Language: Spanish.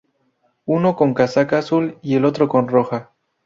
Uno con casaca azul y el otro con roja.